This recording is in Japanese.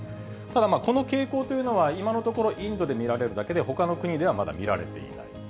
ただ、この傾向というのは、今のところ、インドで見られるだけで、ほかの国ではまだ見られていない。